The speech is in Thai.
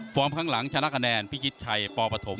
พร้อมข้างหลังชนะคะแนนพี่ชิดชัยปอประถม